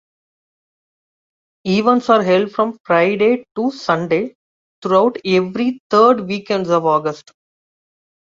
Events are held from Friday to Sunday throughout every third weekend of August.